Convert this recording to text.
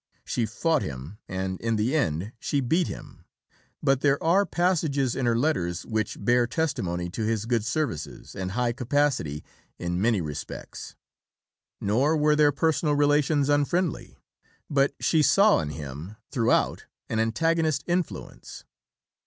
She fought him, and in the end she beat him; but there are passages in her letters which bear testimony to his good services and high capacity in many respects. Nor were their personal relations unfriendly; but she saw in him throughout an antagonist influence.